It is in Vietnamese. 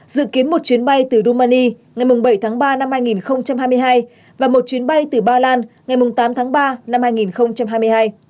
dự kiến một chuyến bay từ romani ngày bảy tháng ba năm hai nghìn hai mươi hai và một chuyến bay từ ba lan ngày tám tháng ba năm hai nghìn hai mươi hai